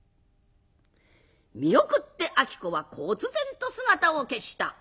見送って子はこつ然と姿を消した。